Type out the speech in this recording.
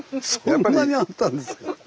そんなにあったんですか。